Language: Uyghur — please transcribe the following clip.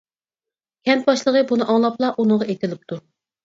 كەنت باشلىقى بۇنى ئاڭلاپلا ئۇنىڭغا ئېتىلىپتۇ.